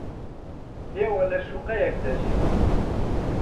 ئێوە لە شوقەیەک دەژین.